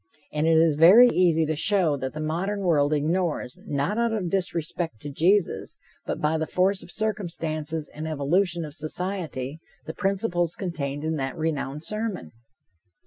And it is very easy to show that the modern world ignores, not out of disrespect to Jesus, but by the force of circumstances and the evolution of society, the principles contained in that renowned sermon.